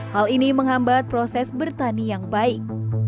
hal ini menghambat proses bertani yang baik